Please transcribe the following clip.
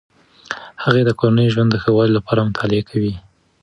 هغې د کورني ژوند د ښه والي لپاره مطالعه کوي.